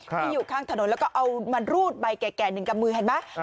ที่อยู่ข้างถนนแล้วก็เอามันรูดใบแก่๑กับมือเห็นไหม